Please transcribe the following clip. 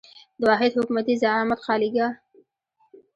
د واحد حکومتي زعامت خالیګاه.